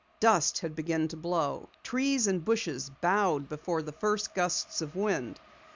Dust had begun to blow. Trees and bushes bowed before the first gusts of wind.